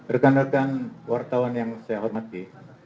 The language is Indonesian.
rekan rekan wartawan yang saya hormati